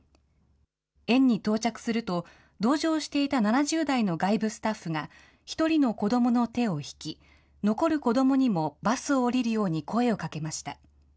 園に到着すると、同乗していた７０代の外部スタッフが、１人の子どもの手を引き、残る子どもにもバスを降りるように声をかけました。